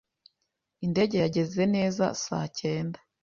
Indege yageze neza saa cyenda.